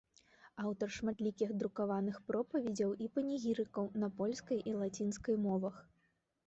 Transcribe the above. Аўтар шматлікіх друкаваных пропаведзяў і панегірыкаў на польскай і лацінскай мовах.